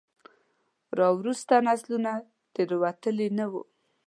راوروسته نسلونو تېروتلي نه وو.